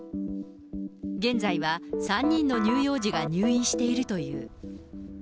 現在は３人の乳幼児が入院しているという。